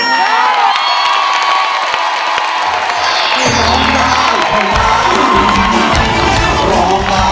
ร้องได้ร้องได้